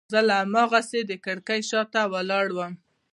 زه لا هماغسې د کړکۍ شاته ولاړ وم.